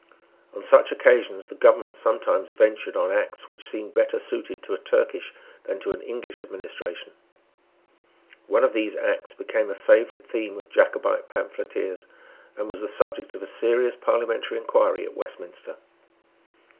On such occasions the government sometimes ventured on acts which seemed better suited to a Turkish than to an English administration. One of these acts became a favourite theme of Jacobite pamphleteers, and was the subject of a serious parliamentary inquiry at Westminster.